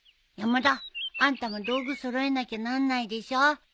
山田！あんたも道具揃えなきゃなんないでしょ。